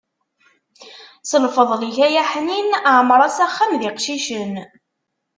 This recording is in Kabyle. S lfeḍl-ik ay aḥnin, ɛemr-as axxam d iqcicen.